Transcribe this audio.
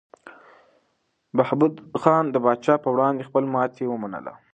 بهبود خان د پاچا په وړاندې خپله ماتې ومنله.